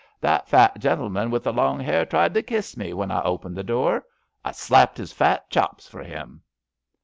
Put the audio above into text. That fat gentle man with the long hair tried to kiss me when I opened the door. I slapped his fat chops for him."